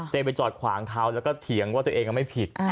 ไปจอดขวางเขาแล้วก็เถียงว่าตัวเองไม่ผิด